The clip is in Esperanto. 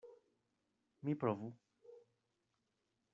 Mi provu.